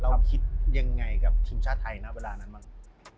คิดยังไงกับทีมชาติไทยณเวลานั้นบ้าง